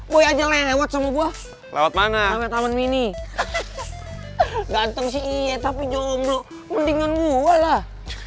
boy aja lewat sama buah lewat mana sampai taman mini ganteng si iya tapi jomblo mendingan gua lah